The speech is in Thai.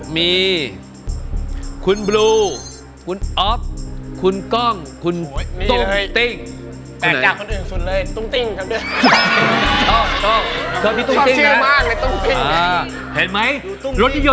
มีคุณบลูคุณออฟคุณก้องคุณตุ้งติ้ง